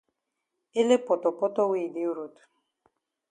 Ele potopoto wey yi dey road.